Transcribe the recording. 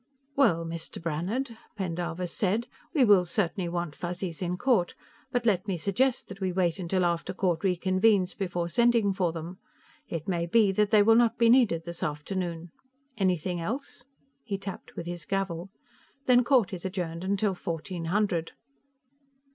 "Well, Mr. Brannhard," Pendarvis said, "we will certainly want Fuzzies in court, but let me suggest that we wait until after court reconvenes before sending for them. It may be that they will not be needed this afternoon. Anything else?" He tapped with his gavel. "Then court is adjourned until fourteen hundred."